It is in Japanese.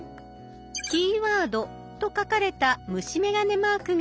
「キーワード」と書かれた虫眼鏡マークがあります。